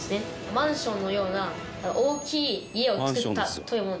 マンションのような大きい家を作ったというものですね。